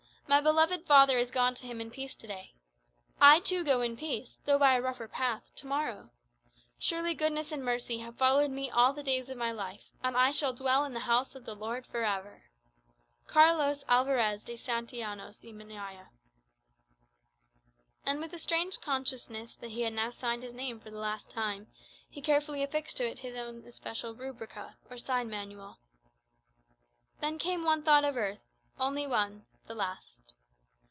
My beloved father is gone to him in peace to day. I too go in peace, though by a rougher path, to morrow. Surely goodness and mercy have followed me all the days of my life, and I shall dwell in the house of the Lord for ever. "CARLOS ALVAREZ DE SANTILLANOS Y MENAYA." And with a strange consciousness that he had now signed his name for the last time, he carefully affixed to it his own especial "rubrica," or sign manual. Then came one thought of earth only one the last.